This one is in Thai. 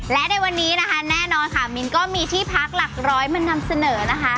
และในวันนี้นะคะแน่นอนค่ะมินก็มีที่พักหลักร้อยมานำเสนอนะคะ